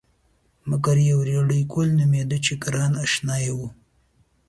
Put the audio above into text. مګر یو ریډي ګل نومېده چې ګران اشنای و.